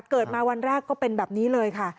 เกิดมาวันแรกก็เป็นแบบนี้เลยค่ะ